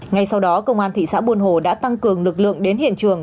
ngay sau đó công an thị xã buôn hồ đã tăng cường lực lượng